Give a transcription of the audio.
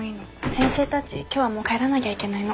先生たち今日はもう帰らなぎゃいけないの。